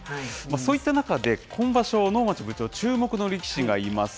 そういった中で今場所、能町部長、注目の力士がいます。